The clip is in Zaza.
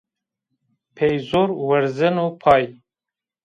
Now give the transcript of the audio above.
Pê zor wurzeno pay